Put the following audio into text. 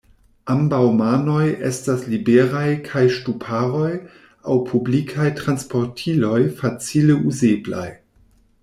Ambaŭ manoj estas liberaj kaj ŝtuparoj aŭ publikaj transportiloj facile uzeblaj.